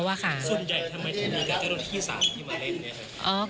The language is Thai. ส่วนใหญ่ทำไมจะมีเจ้ารถที่สามที่มาเล่น